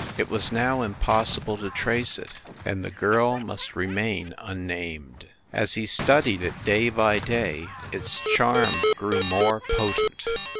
It was now impossible to trace it, and the girl must remain un riamed. 14 FIND THE WOMAN As he studied it, day by day, its charm grew more potent.